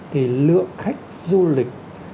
thì lượng khách du lịch